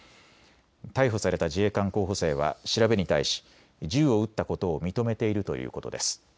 逮捕された自衛官候補生は調べに対し、銃を撃ったことを認めているということです。